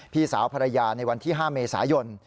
พี่สาวภรรยาที่๕เมษายน